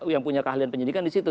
yang punya keahlian penyidikan disitu